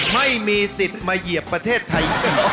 ไม่มีสิทธิ์มาเหยียบประเทศไทย